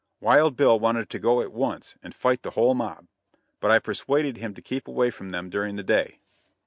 Wild Bill wanted to go at once and fight the whole mob, but I persuaded him to keep away from them during the day.